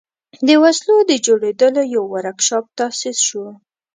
د وسلو د جوړولو یو ورکشاپ تأسیس شو.